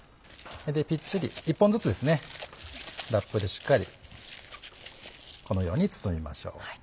ピッチリ１本ずつラップでしっかりこのように包みましょう。